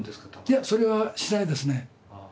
いや、それはしないですね。